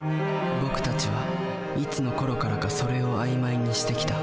僕たちはいつのころからか「それ」を曖昧にしてきた。